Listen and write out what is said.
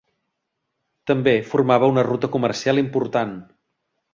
També formava una ruta comercial important.